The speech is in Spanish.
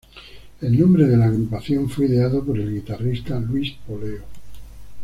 El nombre de la agrupación fue ideado por el guitarrista Luis Poleo.